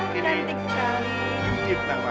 tidur kena ya